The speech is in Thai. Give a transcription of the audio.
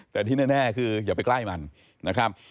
แต่ที่แน่คืออย่าไปใกล้มันนะครับ